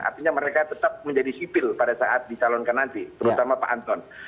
artinya mereka tetap menjadi sipil pada saat dicalonkan nanti terutama pak anton